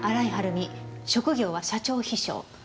職業は社長秘書。